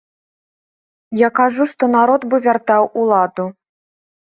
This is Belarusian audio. Я кажу, што народ бы вяртаў уладу.